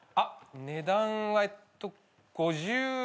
値段はえっと５０円。